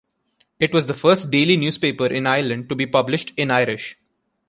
It was the first daily newspaper in Ireland to be published in Irish.